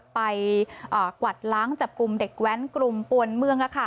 กวาดล้างจับกลุ่มเด็กแว้นกลุ่มปวนเมือง